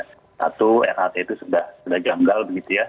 satu rat itu sudah janggal begitu ya